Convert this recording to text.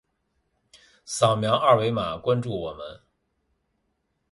扫描二维码关注我们。